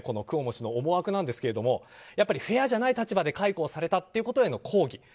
クオモ氏の思惑なんですけどもやっぱりフェアじゃない立場で解雇されたということへの抗議。